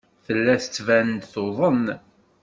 Tella tettban-d tuḍen.